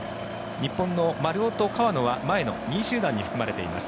日本の丸尾と川野は前の２位集団に含まれています。